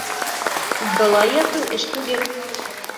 Былай ятыу эш түгел.